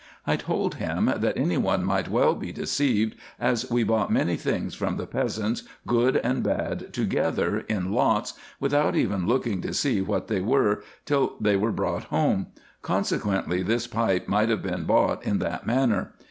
I told him, that any one might well be deceived, as we bought many things from the peasants, good and bad together in lots, without even looking to see what they were, till they were brought home ; consequently this pipe might have been bought in that manner.